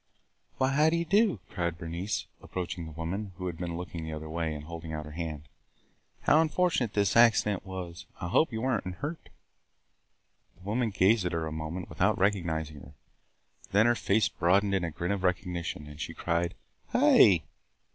"Why, how do you do?" cried Bernice, approaching the woman, who had been looking the other way, and holding out her hand. "How unfortunate this accident was! I hope you were n't hurt." The woman gazed at her a moment without recognizing her; then her face broadened in a grin of recognition and she cried, "Hey!"